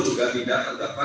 juga tidak terdapat